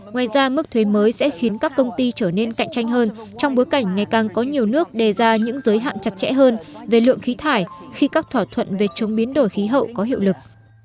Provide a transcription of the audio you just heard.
ngoài ra mức thuế mới sẽ khiến các công ty trở nên cạnh tranh hơn trong bối cảnh ngày càng có nhiều nước đề ra những giới hạn chặt chẽ hơn về lượng khí thải khi các thỏa thuận về chống biến đổi khí hậu có hiệu lực